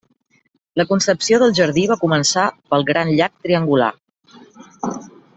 La concepció del jardí va començar pel gran llac triangular.